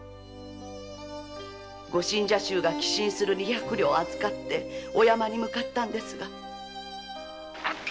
ご信者衆が寄進する二百両を預かりお山へ向かったところ。